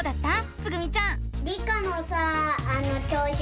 つぐみちゃん。